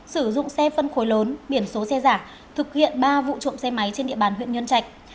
sử dụng xe phân khối lớn biển số xe giả thực hiện ba vụ trộm xe máy trên địa bàn huyện nhân trạch